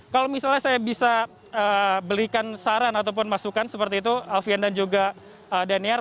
kalau misalnya saya bisa belikan saran ataupun masukan seperti itu alfian dan juga daniar